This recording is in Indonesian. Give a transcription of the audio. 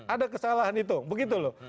ada kesalahan itu begitu loh